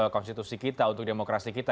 konstitusi kita untuk demokrasi kita